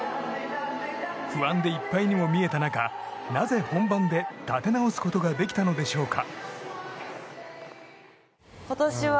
不安でいっぱいにも見えた中なぜ本番で立て直すことができたのでしょうか。